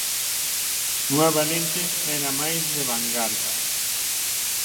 Nueva Lente era máis de vangarda.